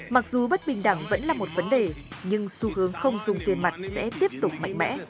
mặc dù bất bình đẳng vẫn là một vấn đề nhưng xu hướng không dùng tiền mặt sẽ tiếp tục mạnh mẽ